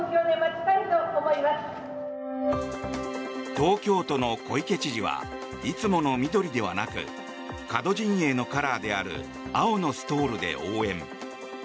東京都の小池知事はいつもの緑ではなく門陣営のカラーである青のストールで応援。